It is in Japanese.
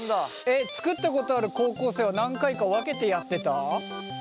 作ったことある高校生は何回か分けてやってた？